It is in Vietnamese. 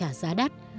phải trả giá đắt